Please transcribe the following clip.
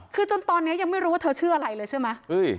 คือจนตอนนี้ยังไม่รู้ว่าเธอชื่ออะไรเลยใช่ไหม